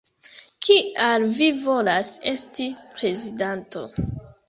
Kial vi volas esti prezidanto?